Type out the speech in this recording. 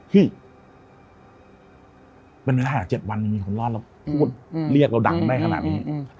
เฮ้ยเป็นไงอ่ะ๗วันมีคนรอดแล้วเรียกเราดังได้ขนาดนี้